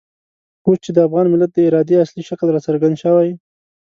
اوس چې د افغان ملت د ارادې اصلي شکل را څرګند شوی.